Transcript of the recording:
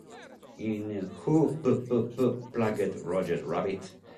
In "Who P-P-P-Plugged Roger Rabbit?